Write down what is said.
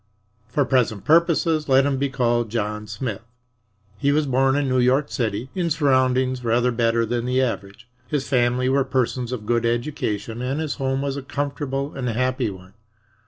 For present purposes let him be called John Smith. He was born in New York City, in surroundings rather better than the average. His family were persons of good education and his home was a comfortable and happy one.